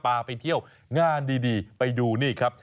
ไปเที่ยวงานดีไปดูนี่ครับ